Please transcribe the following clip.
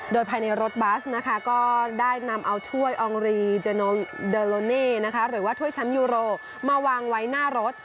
โดยภายในรถบัสนะคะก็ได้นำเอาถ้วยอองรีเดอร์โลเน่หรือว่าถ้วยแชมป์ยูโรมาวางไว้หน้ารถ